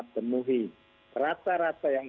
penuhi rasa rasa yang